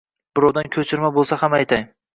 Birovdan koʼchirma boʼlsa ham aytay